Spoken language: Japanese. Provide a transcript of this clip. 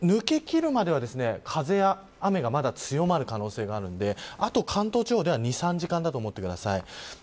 この移動して、抜けきるまでは風や雨がまだ強まる可能性があるのであと関東地方では２、３時間だと思ってください。